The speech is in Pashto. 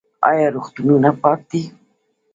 آیا روغتونونه پاک دي؟